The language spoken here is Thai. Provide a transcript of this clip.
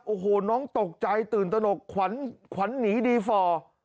โอ้โหน้องตกใจตื่นตนกขวัญขวัญหนีดีฟอร์